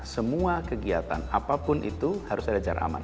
semua kegiatan apa pun itu harus ada jarak aman